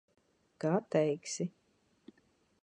Kā teiksi.